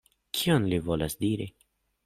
Kion li volas diri?